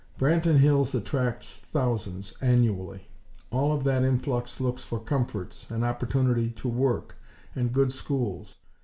Branton Hills attracts thousands, annually. All of that influx looks for comforts, an opportunity to work, and good schools.